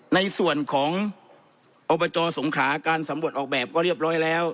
ในส่วนของอบจสงขราการสำรวจออกแบบก็เรียบร้อยแล้ว